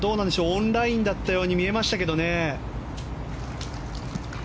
オンラインだったように見えましたけどね。